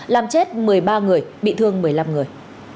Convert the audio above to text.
làm chết một mươi ba người bị thương một mươi năm người